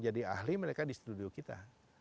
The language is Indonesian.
jadi ahli mereka di studio kita